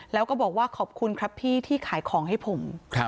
แล้วก็บอกว่าขอบคุณครับพี่ที่ขายของให้ผม